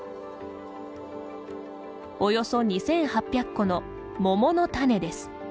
およそ２８００個の桃の種です。